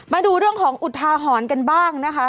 มาดูเรื่องของอุทาหรณ์กันบ้างนะคะ